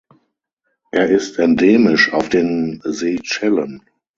Er ist endemisch auf den Seychellen.